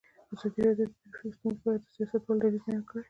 ازادي راډیو د ټرافیکي ستونزې په اړه د سیاستوالو دریځ بیان کړی.